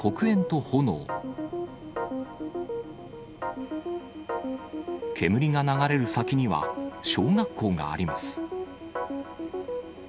煙が流れる先には、小学校があります。